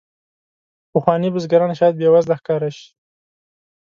پخواني بزګران شاید بې وزله ښکاره شي.